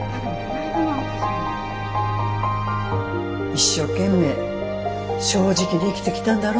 一生懸命正直に生きてきたんだろ？